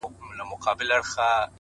تا ولي په سوالونو کي سوالونه لټوله ـ